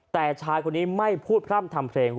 แต่ชายคนนี้ไม่พูดพร่ำทำเพลง